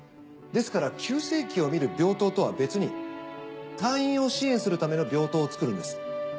ですから急性期を診る病棟とは別に退院を支援するための病棟を作るんです。